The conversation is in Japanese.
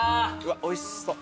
おいしそう。